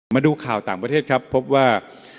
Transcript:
มาดูข่าวต่างประเทศครับพบว่า